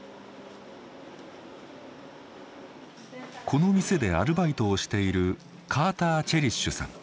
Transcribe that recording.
この店でアルバイトをしているカーター・チェリッシュさん。